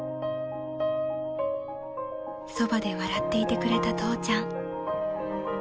［そばで笑っていてくれた父ちゃん］